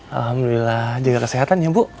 alhamdulillah jaga kesehatan ya bu